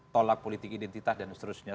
tolak politik identitas dan seterusnya